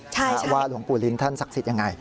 ใช่ว่าหลวงปู่ลิ้นท่านศักดิ์สิทธิ์อย่างไร